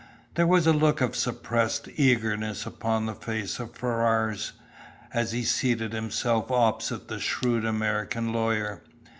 There was a look of suppressed eagerness upon the face of Ferrars, as he seated himself opposite the shrewd American lawyer.